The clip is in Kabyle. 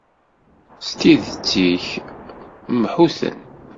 S tidet-ik, mḥu-ten.